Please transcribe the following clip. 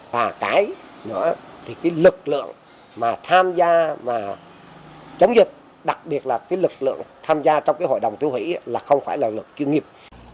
và cái nữa thì cái lực lượng mà tham gia và chống dịch đặc biệt là cái lực lượng tham gia trong cái hội đồng tiêu hủy là không phải là luật chuyên nghiệp